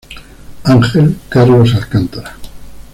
Ángel: Carlos Alcántara.